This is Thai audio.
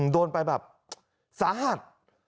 โดนไปแบบสาหัส